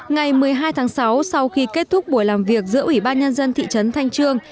ngày một mươi hai tháng sáu sau khi kết thúc buổi làm việc giữa ủy ban nhân dân thị trấn thanh trương